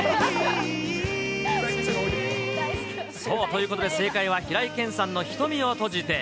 ということで、正解は平井堅さんの瞳をとじて。